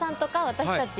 私たち